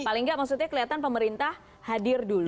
paling nggak maksudnya kelihatan pemerintah hadir dulu